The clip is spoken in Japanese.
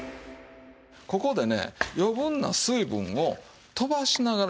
ここでね余分な水分を飛ばしながら。